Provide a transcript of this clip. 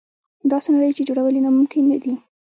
داسې نړۍ چې جوړول یې ناممکن نه دي.